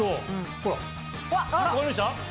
ほら分かりました？